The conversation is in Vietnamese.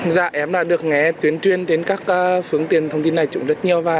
dịp nghỉ lễ tết dương lịch vừa qua